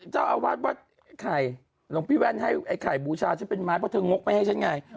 เจ้าอาวาสวัดไอ้ไข่หลวงพี่แว่นให้ไอ้ไข่บูชาฉันเป็นไม้เพราะเธองกไม่ให้ฉันไง